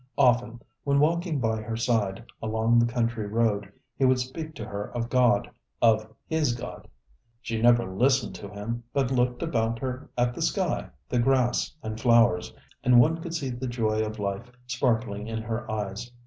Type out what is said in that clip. Often, when walking by her side, along the country road, he would speak to her of God, of his God. She never listened to him, but looked about her at the sky, the grass and flowers, and one could see the joy of life sparkling in her eyes.